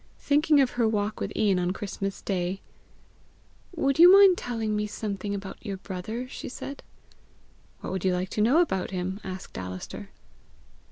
Thinking of her walk with Ian on Christmas day, "Would you mind telling me something about your brother?" she said. "What would you like to know about him?" asked Alister.